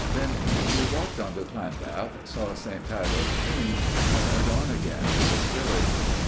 Then we walked up to Llandaff, saw St. Tylo's tomb ; and went on again to this village.